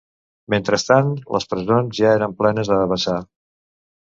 Mentrestant, les presons ja eren plenes a vessar